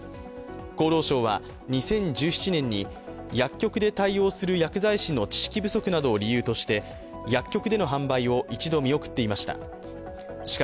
厚労省は２０１７年に薬局で対応する薬剤師の知識不足などを理由として、薬局での販売を一度見送っていました。